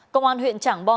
công an huyện trảng bò